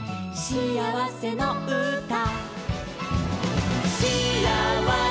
「しあわせのうた」